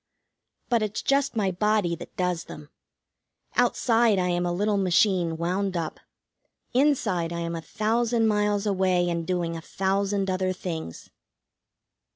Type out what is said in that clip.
But it's just my body that does them. Outside I am a little machine wound up; inside I am a thousand miles away, and doing a thousand other things.